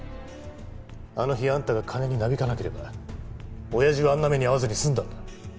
あの日あんたが金になびかなければ親父はあんな目に遭わずに済んだんだ。